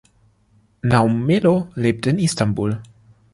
Naum Melo lebt in Istanbul.